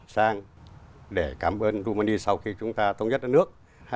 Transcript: sang để cảm ơn rumani sau khi chúng ta thống nhất đất nước